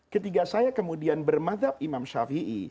ketika saya kemudian bermadhab imam syafi'i